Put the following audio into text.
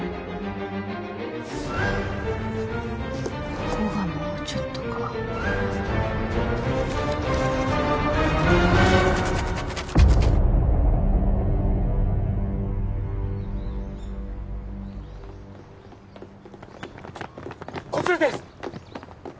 ここがもうちょっとかこちらです！